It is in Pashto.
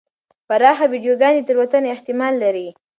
پراخه ویډیوګانې د تېروتنې احتمال لري.